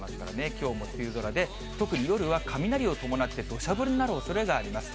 きょうも梅雨空で、特に夜は雷を伴って、どしゃ降りになるおそれがあります。